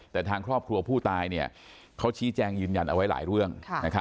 แต่ทางครอบครัวผู้ตายเขาชี้แจงยืนยันเอาไว้หลายเรื่อง